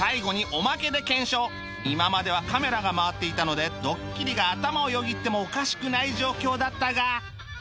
今まではカメラが回っていたのでドッキリが頭をよぎってもおかしくない状況だったが